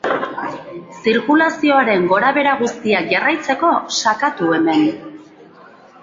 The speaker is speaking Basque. Zirkulazioaren gorabehera guztiak jarraitzeko sakatu hemen.